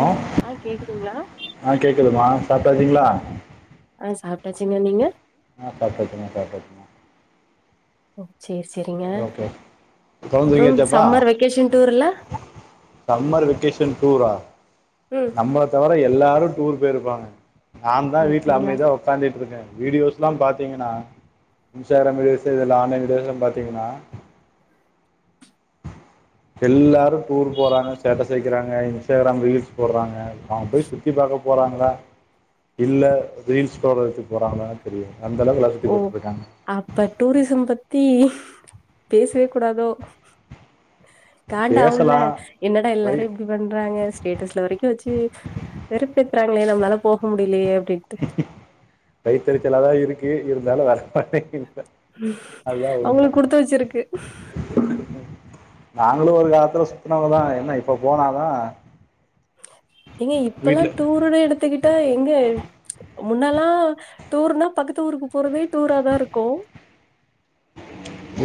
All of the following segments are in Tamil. ஆ ஆ கேக்குதுங்களா ஆ கேக்குதுமா சாப்டச்சிங்கிளா ஆ சாப்ட்டாச்சிங்க நீங்க ஆ சாப்ட்டச்சிமா சாப்ட்டச்சிமா ஓ சேர் சேரிங்க ஓகே குழந்தை அப்றோ தூங்கியாச்சாப்பா சம்மர் வெக்கேஷன் டூர்ல சம்மர் வெக்கேஷன் டூரா ம் நம்மள தவர எல்லாரு டூர் போய்ருப்பாங்க நா தா ஓ வீட்டுல அப்டிங்களா அமைதிய உக் காந்திட்டு இருக்கே வீடியோஸ்ல்லா பாத்தீங்கன்னா இன்ஸ்டாகிராம் விடியோஸ்ஸு இதில ஆன்லைன் வீடியோஸ்ஸுல்ல பாத்திங்கின்னா எல்லாரு டூர் போறாங்க ஸ்டேட்டஸ் வைக்கிறாங்க இன்ஸ்டாகிராம் ரீல்ஸ் போடுறாங்க அங்க போய் சுத் தி பாக்க போறாங்களா இல்ல ரீல்ஸ் போட்றதுக்கு போறாங்களானே தெரியல அந்த அளவுக்கு எல்லாரு ஓ சுத்திப்பாத்து போய்ட்டாங்க அப்ப டூரிசம் பத்தி பேச்வே கூடாதோ கண்டவுல்ல பேசலாம் என்னடா பை எல்லாரு இப் டி பண்றாங்க ஸ்டேட்டஸ்ல வரைக்கு வச்சு வெறுப்பெத்துறாங்களே நம்பளால போக முடியல அப்டின் வைத்தெறிச்சலாதா இருக்கு இருந்தாலு வர மட்டேங்குது அவுங்களுக்கு குடுத்து வச்சிருக்கு நாங்களு ஒரு காலத்துல சுத்துனவங்கதா என்ன இப்ப போனாதா எங்க இப்பல்லா டூருனு எடுத்துக்கிட்டா எங்க முன்னெல்லா டூர்னா பக்கத்து ஊருக்கு போறதே டூரா தாருக்கு [inaudible]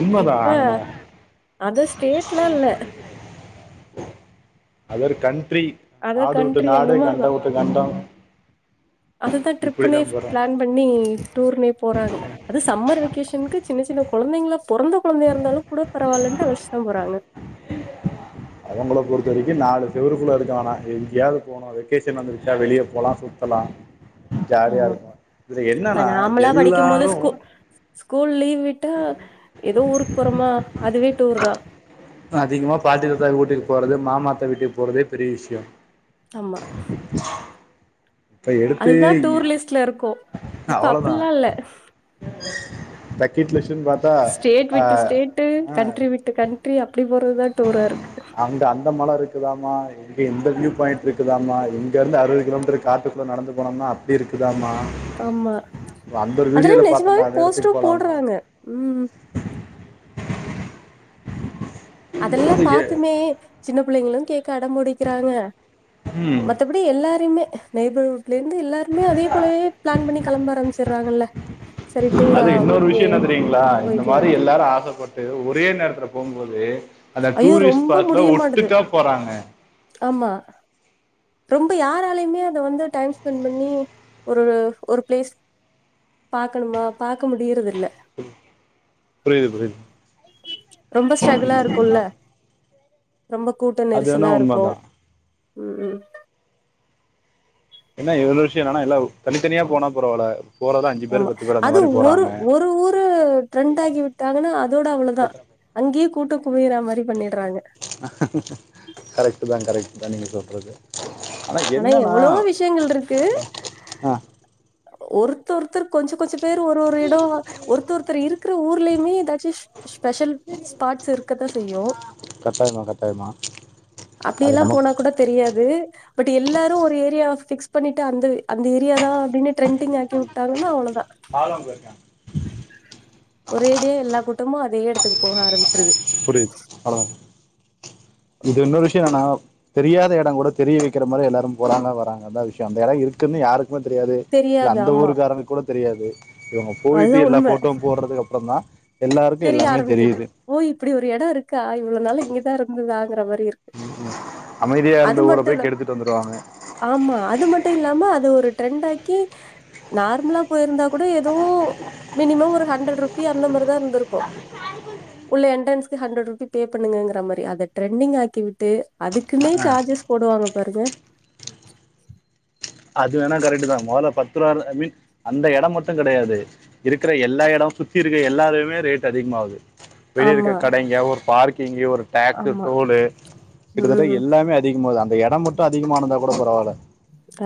உண்மைதான் இப்ப அங்கன அதர் ஸ்டேட்லா இல்ல அதர் கண்ட்ரி அதர் நாடு வுட்டு கண்ட்ரி அந்த நாடு கண்ட வுட்டு கண்ட அததா ட்ரிப்புனே போறோம் பிளான் பண்ணி டூர்னே போறாங்க அது சம்மர் வெக்கேஷனுக்கு சின்ன சின்ன கொழந்தைங்கள பொறந்த கொழந்தையா இருந்தாலு கூட பரவாயில்லட்டு அழச்சுதா போறாங்க அவங்கள பொறுத்த வரைக்கு நாலு செவருக்குள்ளே இருக்க வேணா எங்கேயாவ்து போனு வெக்கேஷன் வந்துருச்சா வெளியே போலா சுத்தல ஜாலியா ஆமா இருக்கு இதுல இப்ப என்னன்னா நாமளா படிக்கும் போது எல்லாரு ஸ்கூ ஸ்கூல் லீவ் விட்டா ஏதோ ஊருக்கு போறோமா அதுவே டூர் தா அதிகமா பாட்டி தாத்தா வீட்டுக்கு போறது மாமா அத்தா வீட்டுக்கு போறதே பெரிய விஷ்ய ஆமா இப்ப எடுத்து அதுதா டூர் லிஸ்ட்ல இருக்கு [inaudible] இப்ப அவ்ளோதா அப்பில்லா இல்ல பக்கெட் லிஸ்ட்ன் பாத்தா அ அ மத்த கண்ட்ரி அப்டி போறதுதா டூரா இருக்கு அங்க அந்த மல இருக்குதாம்மா இங்கே எந்த வியூ பாயிண்ட் இருக்குதாமா இங்க இருந்து அறுபது கிலோமீட்டர் காத்துக்குள்ள நடந்து போனோம்னா அப்டி இருக்குதாமா ஆமா அந்த ஒரு அதெல்லா வீடியோல நிஜமாவே பாத்தேன்டா அந்த எடத்துக்கு போஸ்டு போலாமா போடுறாங்க ம் அதெல்லா அது எ பாத்துமே சின்ன புள்ளைங்களு கேட்க அடபுடிக்கிறாங்க ம் மத்த புடி எல்லாருமே நேபர்ரூட்ல இருந்து எல்லாருமே அதே போலவே பிளான் பண்ணி களம்ப ஆரம்பிச்சடுறாங்கல்ல சரி டூரா அது இன்னொரு ஓகே விஷ்யோ என்ன தெரியீங்களா இந்த மாரி போய்க்கலான்ட்டு எல்லாரு ஆசப்பட் டு ஒரே நேரத்துல போபோது அந்த ஐயோ டூரிஸ்ட் ரொம்ப ஸ்பாடல முடிய மாட்டுது ஒட்டுக்கா போறாங்க ஆமா ரொம்ப யாராலயுமே அத வந்து டைம் ஸ்பெண்ட் பண்ணி ஒரு ஒரு பிளேஸ் பாக்கணுமா பாக்க முடியறது இல்ல புரியுது புரியுது ரொம்ப ஸ்ட்ரகுலா இருக்குல்ல. ரொம்ப கூட்ட அது வேணா நெரிசலா இருக்கு உண்மதா ம் ம். என்ன இவ்ளு விஷ்ய என்னானா எல்லா உ தனித்தனியா போனா பரவால. ஆமா அது ஒரு ஒரு ஊரு ட்ரெண்டாக்கி விட்டாங்கனா அதோட அவ்ளதா. அங்யே கூட்டோ குவியிறா மாரி பண்ணிட்றாங்க. கரெக்ட்டு தா கரெக்ட்டு தா நீங்க சொல்றது. ஆனா எவ்ளவோ விஷ்யங்கள் இருக்குது ஆ ஒருத் தஒருத்தர் கொஞ்சொ கொஞ்சொ பேரு ஒரு ஒரு இடோ ஒருத்த ஒருத்தர் இருக்குற ஊர்லயுமே எதாச்சுஸ் ஸ்பெஷல் ஸ்பாட்ஸ் இருக்கத்தா செய்யு. கட்டாயமா கட்டாயமா அது அப்படியெல்லா நமக் போனா கூட தெரியாது பட் எல்லாரு ஒரு ஏரியாவ ஃபிக்ஸ் பண்ணிட்டு அந்து அந்த ஏரியாதா அப்டினே ட்ரெண்டிங் ஆக்கி உட்டாங்கனா அவ்ளதா. பால் வாங்க போயிருக்கா ஒரேடியா எல்லா கூட்டமு அதே எடத்துக்கு போக ஆரமிச்சிருது. புரிது [unintelligible] இது இன்னொரு விஷியோ என்னனா தெரியாத எடங்கூட தெரிய வெக்கிற மாரி எல்லாரும் போறாங்க வராங்க அதா விஷ்யோ அந்த எடோ இருக்குன்னு யாரு க்மே தெரியாது இல்ல தெரியாது அந்த ஆமா ஊருக்காரனுக் கூட தெரியாது. இவுங்க போயிட்டு அதுதா எல்லா உண்ம ஃபோட்டோவு போட்றதுக்கு அப்புறந்தா தெரிய ஆரமிக்குது ஓ இப்பிடி ஒரு எடோ இருக்கா இவ்ளு நாளு இங்கதா இருந்துதாங்கற மாரி இரு ம் ம் அமைதியா இருந்த ஊர போய் கெடுத்துட்டு வந்துருவாங்க. ஆமா அது மட்டு இல்லாம அது ஒரு ட்ரெண்டாக்கி நார்மலா போயிருந்தா கூட எதுவு மினிமம் ஒரு ஹண்ரட் ருப்பி அந்த மாரிதா இருந்துரு த ச [unintelligible] உள்ள என்ரன்ஸ்க்கு ஹண்ரடு ருபி பே பண்ணுங்கங்கற மாரி அத ட்ரெண்டிங் ஆக்கிவிட்டு அதுக்குன்னே அஹ், சார்ஜஸ் போடுவாங்க பாருங்க அது வேணா கரெக்ட்டுதா மொதல பத்துருவார்த ஐ மீன் அந்த எடம் மட்டுங் கெடையாது. இருக்கற எல்லா எடோ சுத்தி இருக்க எல்லாதைமே ரேட் அதிகமாவுது. வெளிய இருக்க ஆமா கடைங்க ஒரு பார்க்கிங்கி ஒரு டேக்ஸு ஆமா டோலு கிட்டத்தட்ட ம் எல்லாமே அ திகமாவுது அந்த எடம் மட்டு அதிகமானந்தா கூட பரவால.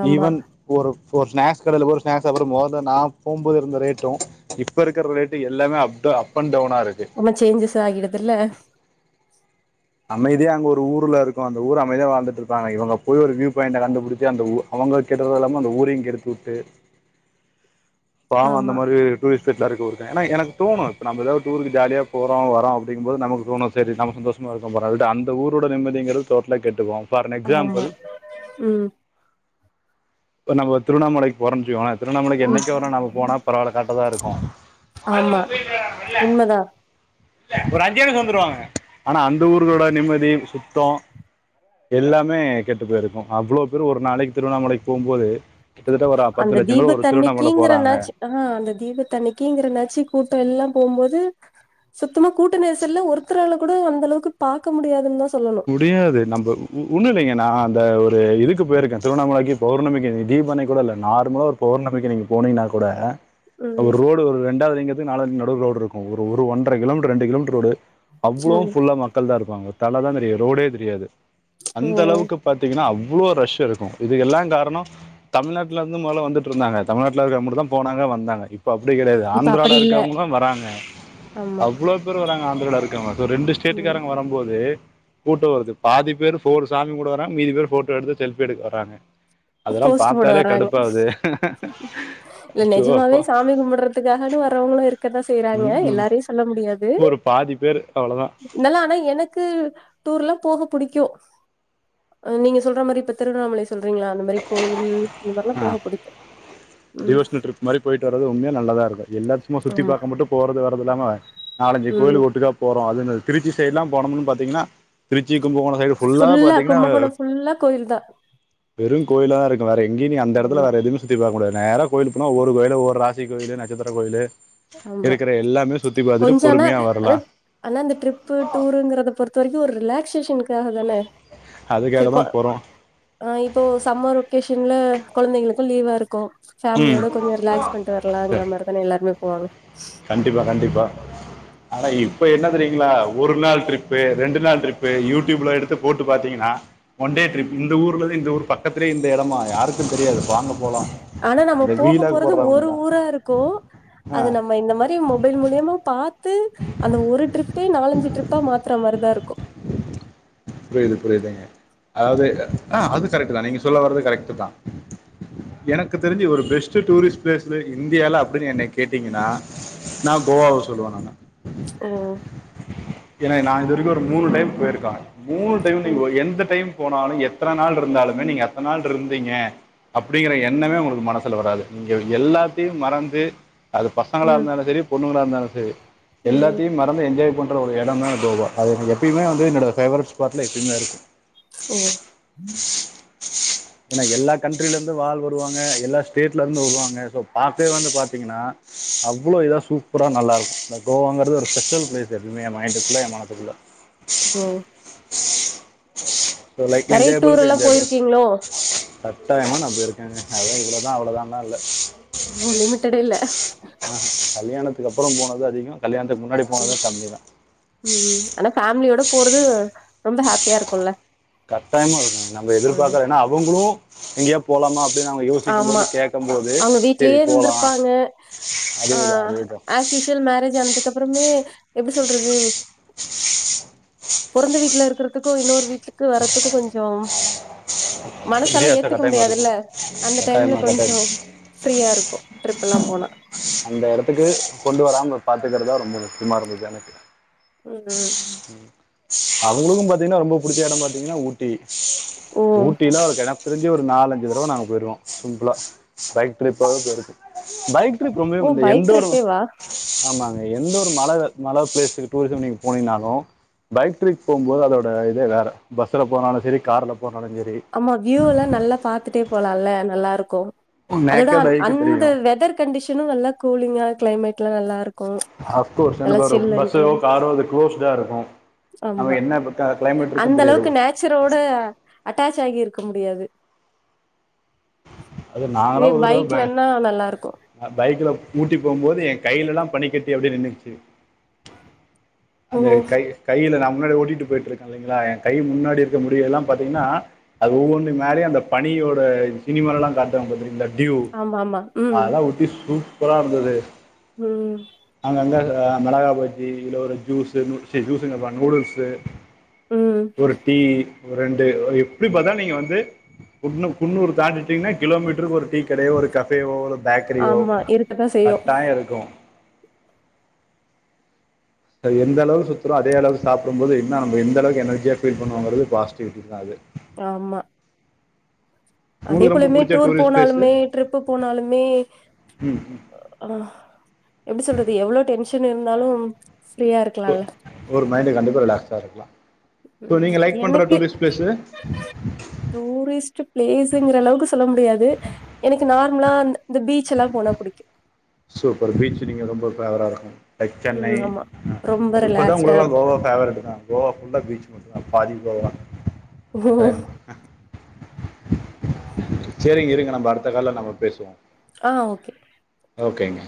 ஆமா ஈவன் ஒருப் ஒரு ஸ்நாக்ஸ் கடைல போ ஒரு ஸ்நாக்ஸ் சாப்ற மோர்தேன் நா போம்போது இருந்த ரேட்டு இப்ப இருக்கர் லேட்டு எல்லாமே up to up and டவுனாருக்கு. ம்ப changes ஆகிடுதில்ல. அமைதியா அங்க ஒரு ஊர்ல இருக்கு அந்த ஊர் அமைதியா வாழ்ந்துட்ருப்பாங்க இவுங்க போய் ஒரு வியூ பாயிண்ட கண்டுபிடிச்சு அந்த ஊ அவுங்க கெட்டது இல்லாம அந்த ஊரயு கெடுத்து உட்டு பாவோ அந்த ஆமா மாரி டூரிஸ்ட் செட்லாருக்குவு இருக்கே ஏனா எனக்கு தோணு இப்போ நாம்ப எதா ஒர் டூருக்கு ஜாலியா போறோ வரோ அப்டிங்கும்போது நமக்கு தோணு சேரி நம்ம சந்தோஷமா இருக்கனும் போறோ அதுக்டு அந்த ஊரோட நிம்மதிங்கிறது டோட்லா கெட்டு போவு ஃபார் ஏன் ஆமா எக்ஸாம்பிள் ம். இப்ப நம்ப திருவண்ணாமலைக் போறோன் வெச்ங்கோங்ளே திருவண்ணாமலைக்கு ம் என்னைக்கா ஒருநாள் நாம போனா பரவால கரட்டாதாருக்கு ஆமா உண்மதா. ஆனா அந்த ஊர்களோட நிம்மதி சுத்தோ எல்லாமே கெட்டு போயிருக்கு அவ்ளோ பேரு ஒரு நாளைக்கு திருவண்ணாமலைக் போம்போது கிட்டத்தட்ட ஒரு அ அந்த பத்து லட்சம் பேரு ஒரு திருவண்ணாமல போறாங்க. தீபத்தன்னைக்கிங்கிறனாச்சு ஆ அந்த தீபத்தன்னிக்கிங்கிற நாச்சி கூட்டோ எல்லா போம்போது சுத்தமா கூட்ட நெரிசல்ல ஒருத்தரால கூட அந்த அளவுக்கு பாக்க முடியாதுன் தா சொல்லணு. முடியாது நம்ம ஒ ஒ ஒன்னுலைங்க நா அந்த ஒரு இதுக்கு போயிருக்கே திருவண்ணாமலைக்கு பௌர்ணமிக்கு தீபன்னைக்கூட இல்ல நார்மலா ஒரு பௌர்ணமிக்கு நீங்க போனீங்ன்னா கூட அ ம் ஒரு ரோடு ஒரு ரெண்டாவதுலிங்கத்துக்கு நாலாலிங் நடுவுல ரோடிருக்கு ஒரு ஒரு ஒன்றர கிலோமீட்ரு ரெண்டு கிலோமீட்ரு ரோடு அவ்ளோவு ம் ஃபுல்லா மக்கள் தா இருப்பாங்க தலதா தெரியு ரோடே தெரியாது ம் அந்தளவுக்கு பாத்தீங்கன்னா அவ்வளோ ரஷ் இருக்கு இதுக்கெல்லா காரணோ தமிழ்நாட்ல இருந்து மொதல வந்துட்ருந்தாங்க தமிநாட்ல இருக்கவங் மட்டுந்தா போனாங்க வந்தாங்க இப் போ அப்டி கெடையாது இப்ப அப்படி ஆந்திராவுல இல்ல இருக்கவங்களு வராங்க ஆமா அவ்வளோ பேரு வராங்க ஆந்திராவ்ல இரு க்கவங்க சோ ரெண்டு ம் ஸ்டேட்டுக்காரங்க வரும்போது கூட்டோ வருது பாதி பேரு ஃபோனு சாமி கும்ப்ட வர்றங்க மீதி பேரு ஃபோட்டோ எடுத்து செல்பி எடுக்க வராங்க அதெல்லாம் போஸ்ட்டு போட பார்த்தாலே வறாங்க கடுப்பாகுது இல்ல அச்சோ நெஜமாவே அப்பா சாமி கும்பிட்ற துக்காகனு வரவங்களு இருக்கதா செய்யறாங்க ம், ம். எல்லாரியு சொல்ல முடியா து ஒரு பாதி பேர் அவ்வளோதான் நல்லா ஆனா எனக்கு டூர்ல்லா போக புடிக்கு அ நீங்க சொல்ற மாரி இப்ப திருவண்ணாமலை சொல்றீங்ளா அந்த மா கோயில் இந்த மாரிலா போக பிடிக்கு ம் இந்மாரி போய்ட்டு வரது உண்மியா நல்லதா இருக்கு எல்லாச் சுமா ஆமா சுத்திபாக்க மட்டு போரது வரது இல்லாம நாலஞ்சு ம் கோயிலு ஒட்டுக்கா போறோ அது மாரி திருச்சி சைட்ல்லா போனமின்னு பாத்தீங்கன்னா திருச்சி கும்பகோண ஃபுல்லா கும்பகோணம் ஃபுல்லா கோயில் தா வெறு கோயிலாருக்கு வேற எங்கியு நீ அந்த எடத்துல ஆமா வேற எதுமே சுத்தி பாக்க முடியா நேர கோயிலு போன ஒவ்வோரு கோயிலு ஒவ்வொரு ராசி கோயிலு நட்சத்திர கோயிலு ஆமா இருக்கிற எல்லாமே சுத்தி பாத்துட்டு கொஞ்ச ஆனா பொறுமியா ஆனா வரலா ஆனா இந்த ட்ரிப்பு டூருங்கிறது பொறுத்த வெரிக்கு ஒரு ரிலாக்சேஷனுக்காக தான சரி அதுக்காகதா கொ போறோ ஆ இப்போ சம்மர் ஒகேஷன்ல கொழந்தைகளுக்கு லீவா இருக்கு ஃபேம்லியோட ம் கொஞ்ச ரிலாக்ஸ் பண்ட்டு வரலாங்கிற மாரிதானே எல்லார்மே போவாங்க கண்டிப்பா கண்டிப்பா ஆனா இப்ப என்ன தெரியுங்களா ஒரு நாள் ட்ரிப்பு ரெண்டு நாளு ட்ரிப்பு யூடியூப்ல எடுத்து போட்டு பாத்தீங்கினா ஒன் டே ட்ரிப் இந்த ஊர்லந்து இந்த ஊரு பக்கத்திலே இந்த எடமா யாருக்கு தெரியாது வாங்க போகலாம் ஆனா நம்ம அந்த போக வீலாக் போறது போடுறவங்க ஒரு தான் ஊரா இருக்கு ஆ அது நம்ம இந்த மா ரி மொபைல் மூலியமா பாத்து அந்த ஒரு ட்ரிப்பே நாலஞ்சு ட்ரிப்பா மாத்தற மாரிதாருக்கு புரியது புரிதுங்க அதாவது ஆ அது கரெக்ட்டுதா நீங்க சொல்ல வரது கரெக்ட்டுதா எனக்கு தெரிஞ்சு ஒரு பெஸ்ட்டு டூரிஸ் ப்ளேஸ் சொல்லு இந்தியால அப்டின் என்ன கேட்டீங்கன்னா நா கோவாவ சொல்லுவ நானு ஓ ஏனா நா இதுவரி எங்க்கு ஒரு மூணு டைம் போயிருக்கங்க மூணு டைமு ஓ நீங்க ஒரு எந்த டைம் போனாலு எத்தன நாள்ட்ருந்தாலுமே நீங்க அத்தன நாள்ட்ருந்தீங்க அப்படிங்கிற எண்ணமே உங்களுக்கு மனசுல வராது நீங்க எல்லாத்தியு மறந்து அது பசங்களா ம் இருந்தாலு செரி பொண்ணுங்களா இருந்தாலு செரி ம் எல்லாத்தியு மறந்து என்ஜாய் பண்ற ஒரு எடோனா கோவா அத நீங்க எப்பயுமே வந்து என்னடோ ஃபேவரட் ஸ்பாட்ல எப்பயுமே இருக்கு ஓ ஏனா எல்லா கண்ட்ரிலர்ந்து ஆள் வருவாங்க எல்லா ஸ்டேட்லருந்து வருவாங்க சோ பாத்தே வந்து பாத்தீங்கன்னா அவ்வளோ இதா சூப்பரா நல்லாருக்கு இந்த கோவாங்கிறது ஒரு ஸ்பெஷல் ப்ளேஸ் எப்பயுமே ஏ மைண்டுக்குள்ள ஏ மனசுக்குள்ள ஓ சோ லைக் நெறைய டூர் என்ஜாயபளுக்கு எல்லா என்ஜாய்பள் போயிருக்கீங்களோ கட்டாயமா நா போய்ருக்கங்க அதா இவ்ளோதா அவ்ளோதான்லா இல்ல ம் லிமிட்டடே இல்ல ஆ கல்யாணத்துக்கு அப்புறோ போனத்தா அதிகோ கல்யாணத்துக்கு முன்னாடி போனது ம் கம்மிதா ம் ஆனா ஃபேமிலியோட போறது ரொம்ப ஹாப்பியா இருக்குல கட்டாயமா இருக்குங்க நம்ம எதிர்பாக்கலனா அவுங்குளு எங்கயா போலாமா அப்டின் அவுங் க ஆமா யோசிக்கும்போது கேட்கமோது அவங்க செரி வீட்லயே போலா இருந்திருப்பாங்க ஆ அதேதா அதேதா ஆஸ் மேரேஜ் ஆனதுக்கப்புறமே எப்டி சொல்றது பொறந்த வீட்ல இருக்கறதுக்கு இன்னொரு வீட்டுக்கு வர்றதுக்கு கொஞ்சோ மனசாலா வித்தியாசம் ஏத்துக்க கட்டாயமாக முடியாதுல இருக்கும் அந்த டைம்ல கட்டாயமாக கொஞ்சோ கட்டாயம் ப்ரீய இருக்கு ட்ரிப்புல்லா போனா அந்த எடத்துக்கு கொண்டு வராம பாத்துக்கறதா ரொம்ப முக்கியமா இருந்தது எனக்கு ம் அவுங்களுக்கு பாத்தீங்கன்னா ரொம்ப புடிச்ச எடோ பாத்தீங்கனா ஊட்டி ஓ ஊட்டினா அது கெடா தெரிஞ்சு ஒரு நாலஞ்சு தடவ நாங்க போய்ருக்கோ சிம்புளா பைக் ட்ரிப்பாவே போய்ருகோ பைக் ட்ரிப் வந்த ஓ அந்த எந்த பைக் ஒரு ட்ரிப்பேவா ஆமாங்க எந்த ஒரு மல மல பிளேஸ்க்கு டூரிசம் நீங்க போனீங்னாலு பைக் ட்ரிப் போம்போது அதோட இதே வேற பஸ்ஸுல போனாலு செரி கார்ல போனாலு செரி ஆமா வியூலா நல்லா பாத்துட்டே போலால நல்லாருக்கு அதோட நேக்கட் அந் ஐக்கு அந்த தெரியும் வெதற்கு கண்டிஷனு நல்லா கூலிங்கா க்ளைமட்ல நல்லாருக் அப்கோர்ஸ் என்ன பாரு பஸ்ஸோ காரோ அது குளோஸ்ட்டா இருக்கு நம்ம என்ன இப்ப க க்ளைமேட் இருக்குன் தெரியாது சுரோட அட்டாச் ஆகி இருக்க முடியாது அது இதுவே பைக்லன்னா நல்லாருக்கு பைக்ல ஊட்டி போமோது எ கைலலா பனி கட்டி அப்டியே நின்னுக்குச்சு அந்த ஓ கை கைல நா முன்னாடி ஓட்டிட்டு போய்ட்டு இருக்க இல்லைங்ளா எ கை முன்னாடி இருக்க முடியலா பாத்தீங்கனா அது ஒவ்வொன்னுமாரி அந்த பனியோட சினிமாலலா காட்டுவாங்க பாத்துருக்கீங்ளா டியுவ் ஆமா ஆமா ம் அதெல்லா ஒட்டி சூப்ரா இருந்தது ம் நாங்க அங்க அ மெளகா பஜ்ஜி இல்ல ஒரு ஜூசு சி ஜூசுங்கபாரு நூடுல்சு ம் டீ ரெண்டு எப்டி பாத்தாலு நீங்க வந்து குன்னூ குன்னூரு தாண்டிட்டிங்ன்னா கிலோமீட்டருக்கு ஒரு டீ கடயே ஒரு கா டயோ ஒரு பேக்ரியோ ஆமா இருக்கதா செய்யு கட்டாயோ இருக்கு எந்தளவு சுத்தறோ அதே அளவு சாப்புடும்போது இன்னோ நம்மக்கு எந்தளவுக்கு எனர்ஜியா ஃபீல் பண்ணுவோங்கறது பாசிட்டிவிட்டிதா அது ஆமா அதே உங்களுக்கு ரொம்ப போலயுமே பிடிச்ச டூர் டூரிஸ்ட் பிளேஸு போனாலுமே டரிப்பு போனாலுமே ம் ஆ எப்டி சொல்றது எவ்ளோ டென்ஷன் இருந்தாலு ஃரீயா இருக்லால ஒரு மைண்ட கண்டிப்பா ரிலாக்ஸா இருக்கலா சோ ம் நீங்க லைக் பண்ற டூரிஸ்ட் பிளேஸு டூரிஸ்ட்டு பிளேஸுங்கற அளவுக்கு சொல்ல முடியாது எனக்கு நார்மலா அந்த இந்த பீச்சுலா போனா புடிக்கு சூப்பர் பீச்சு நீங்க ரொம்ப பேவரா இருக்கு லைக் சென்னை ம் ஆமா ரொம்ப அப்ப இப்பதா ரிலாக்ஸ்டா உங்குளுக்கல்லா இருக்கு கோவா ஃபேவரட்டுதா கோவா ஃபுல்ல பீச் மட்டுதா பாதி கோவா கட்டாயமா சேரிங்க இருங்க நம்ம அடுத்த கால்ல நம்ப பேசுவோ ஆ ஓகே ஓகேங்க